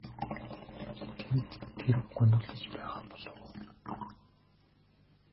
Тэнд тэр гуниглаж байгаа болов уу?